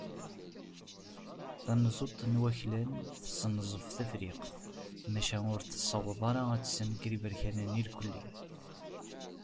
Tanezzut n waklan tessenzef Tafriqt, maca ur tessaweḍ ara ad tessenger Iberkanen irkelli.